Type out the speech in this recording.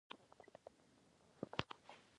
که دا عفونت د ژوند په څو لومړنیو کلونو کې لیرې نشي.